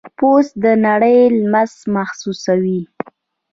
پوست د نړۍ لمس محسوسوي.